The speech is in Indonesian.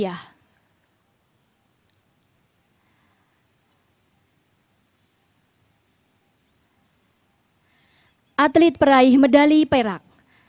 atlet peraih medali perak